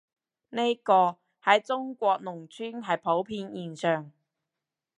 呢個，喺中國農村係普遍現象